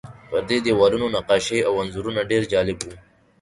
پر دې دیوالونو نقاشۍ او انځورونه ډېر جالب وو.